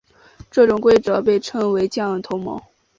这种规则被称为酱油同盟。